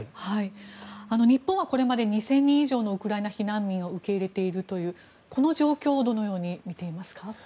日本はこれまで２０００人以上のウクライナ避難民を受け入れているというこの状況をどのように見ていますか？